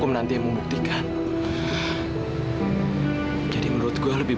mama bukan pembunuh